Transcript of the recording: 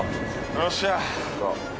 よっしゃ。